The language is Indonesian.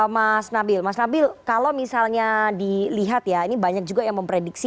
mas nabil mas nabil kalau misalnya dilihat ya ini banyak juga yang memprediksi